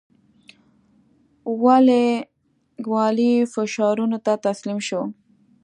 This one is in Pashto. والي فشارونو ته تسلیم شو.